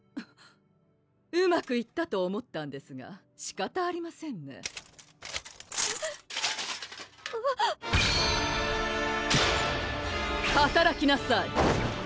うまくいったと思ったんですがしかたありませんねはたらきなさい！